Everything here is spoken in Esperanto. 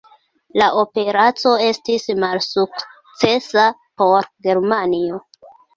La operaco estis malsukcesa por Germanio.